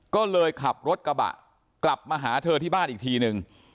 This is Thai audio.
ก็เลยขับรถกระบะกลับมาหาเธอที่บ้านอีกทีนึง